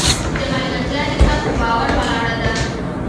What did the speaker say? د ملګرتیا ریښه په باور ولاړه ده.